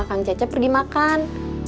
kang ujang sama kang cecep pergi makan